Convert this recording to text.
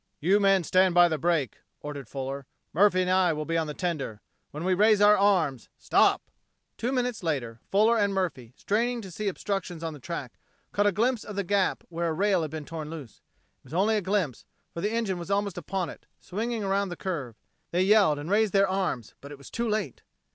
"You men stand by the brake," ordered Fuller. "Murphy and I will be on the tender. When we raise our arms stop!" Two minutes later, Fuller and Murphy, straining to see obstructions on the track, caught a glimpse of the gap where a rail had been torn loose. It was only a glimpse, for the engine was almost upon it, swinging around the curve. They yelled and raised their arms, but it was too late.